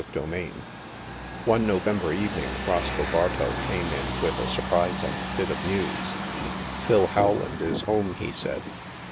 €€ CHAPTER VI One November evening, Roscoe Bartow came in with a surprising bit of news. " Phil Rowland is home," he said.